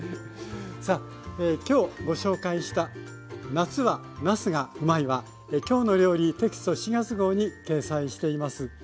さあ今日ご紹介した「夏はなすがうまい！」は「きょうの料理」テキスト７月号に掲載しています。